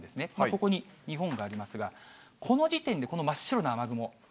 ここに日本がありますが、この時点で、この真っ白な雨雲。